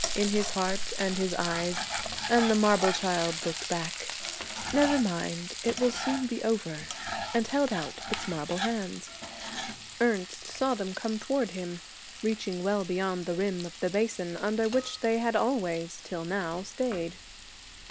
in his heart and his eyes, and the marble child looked back, 'Never mind, it will soon be over,' and held out its marble hands. Ernest saw them come toward him, reaching well beyond the rim of the basin under which they had always, till now, stayed.